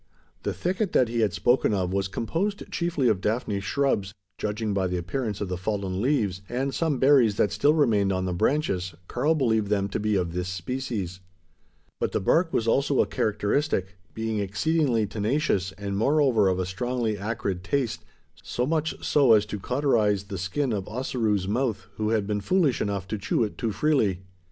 The thicket that he had spoken of was composed chiefly of daphne shrubs judging by the appearance of the fallen leaves, and some berries that still remained on the branches, Karl believed them to be of this species. But the bark was also a characteristic: being exceedingly tenacious, and moreover of a strongly acrid taste so much so as to cauterise he skin of Ossaroo's mouth, who had been foolish enough to chew it too freely.